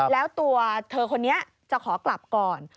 แล้วตัวเธอคนนี้จะขอกลับก่อน